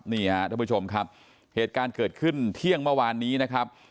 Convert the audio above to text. นี่ฮะท่านผู้ชมครับเหตุการณ์เกิดขึ้นเที่ยงเมื่อวานนี้นะครับ